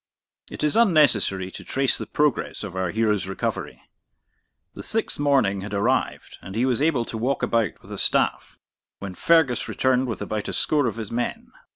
It is unnecessary to trace the progress of our hero's recovery. The sixth morning had arrived, and he was able to walk about with a staff, when Fergus returned with about a score of his men.